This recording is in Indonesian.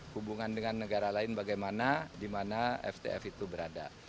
hubungan dengan negara lain bagaimana di mana ftf itu berada